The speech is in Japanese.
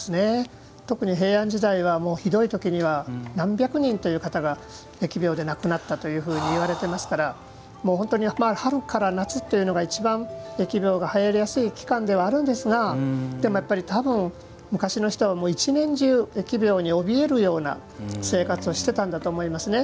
特に平安時代はひどいときには何百人という方が疫病で亡くなったというふうにいわれていますから本当に春から夏というのが一番、疫病がはやりやすい期間ではあるんですがでも、やっぱりたぶん昔の人は一年中疫病におびえるような生活をしていたんだと思いますね。